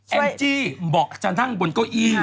แองจี้บอกจะนั่งบนโก้ยอี้